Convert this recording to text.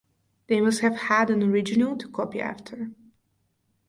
They must have had an original to copy after.